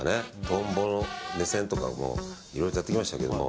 トンボの目線とかいろいろやってきましたけど